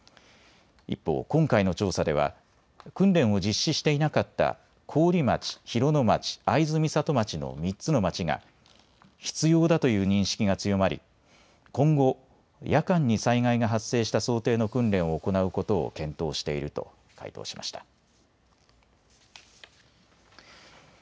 一方、今回の調査では訓練を実施していなかった桑折町、広野町、会津美里町の３つの町が必要だという認識が強まり今後、夜間に災害が発生した想定の訓練を行うことを検討していると回答しました。